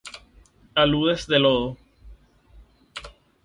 Aludes de lodo.